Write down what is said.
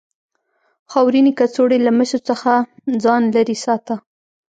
خاورینې کڅوړې له مسو څخه ځان لرې ساته.